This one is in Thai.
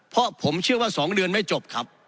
เพราะผมเชื่อว่า๒เดือนไม่จบครับ